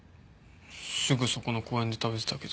すぐそこの公園で食べてたけど。